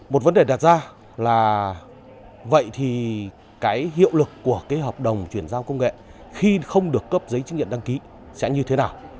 một vấn đề đặt ra là vậy thì cái hiệu lực của cái hợp đồng chuyển giao công nghệ khi không được cấp giấy chứng nhận đăng ký sẽ như thế nào